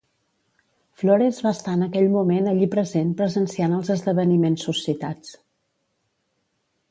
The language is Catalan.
Flores va estar en aquell moment allí present presenciant els esdeveniments suscitats.